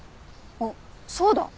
あっそうだ。